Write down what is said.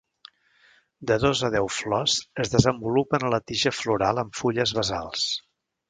De dos a deu flors es desenvolupen a la tija floral amb fulles basals.